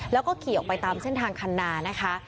แล้วก็ขี่ออกไปตามเส้นทางคันนานะคะ